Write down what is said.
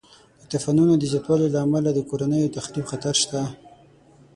د طوفانونو د زیاتوالي له امله د کورنیو د تخریب خطر شته.